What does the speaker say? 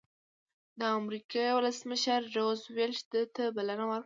د امریکې ولسمشر روز وېلټ ده ته بلنه ورکړه.